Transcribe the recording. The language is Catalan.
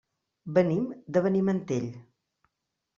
Venim de Benimantell.